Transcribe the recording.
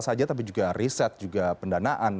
saja tapi juga riset juga pendanaan